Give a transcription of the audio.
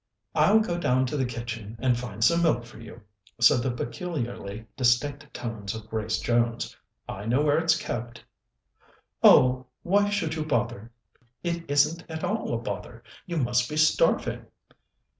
"I'll go down to the kitchen and find some milk for you," said the peculiarly distinct tones of Grace Jones. "I know where it's kept." "Oh, why should you bother?" "It isn't at all a bother. You must be starving."